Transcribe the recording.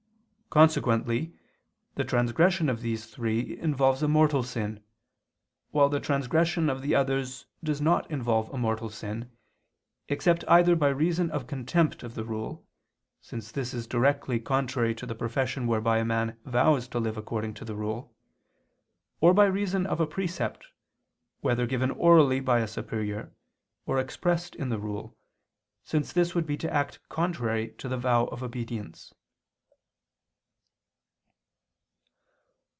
Consequently the transgression of these three involves a mortal sin, while the transgression of the others does not involve a mortal sin, except either by reason of contempt of the rule (since this is directly contrary to the profession whereby a man vows to live according to the rule), or by reason of a precept, whether given orally by a superior, or expressed in the rule, since this would be to act contrary to the vow of obedience.